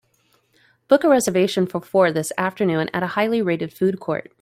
Book a reservation for four this Afternoon at a highly rated food court